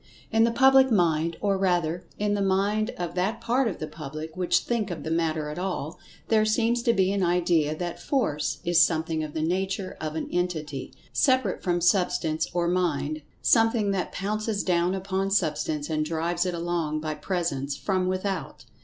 In the public mind—or rather, in the mind of that part of the public which think of the matter at all—there seems to be an idea that "Force" is something of the nature of an entity, separate from Substance or Mind—something that pounces down upon Substance and drives it along by presence from without.